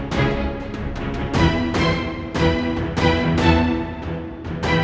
dia masih hidup sampai mendekat